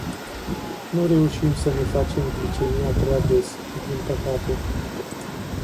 Nu reușim să ne facem glicemia prea des, din păcate.